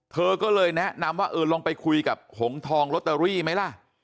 เธอก็เลยแนะนำว่าเออลองไปคุยกับหงทองลอตเตอรี่ไหมล่ะ